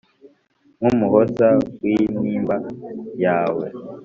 nkumuhoza wintimba yawe.